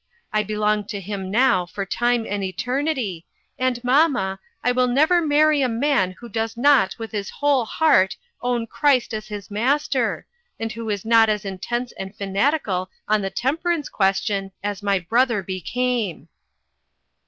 I belong to him now for time and eternity, and, mamma, I will never marry a man who does not with his whole heart own Christ as his Master, and who is not as intense and fanatical on the temperance question as my brother became."